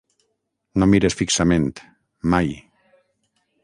No mires fixament, mai.